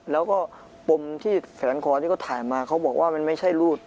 แล้วก็ปมที่แขนคอที่เขาถ่ายมาเขาบอกว่ามันไม่ใช่รูด